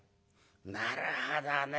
「なるほどね。